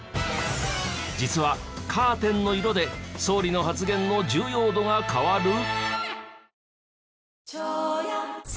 実はカーテンの色で総理の発言の重要度が変わる！？